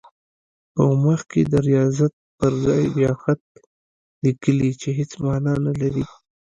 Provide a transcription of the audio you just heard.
په مخ کې د ریاضت پر ځای ریاخت لیکي چې هېڅ معنی نه لري.